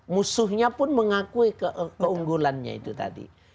musuhnya pun mengakui keunggulannya itu tadi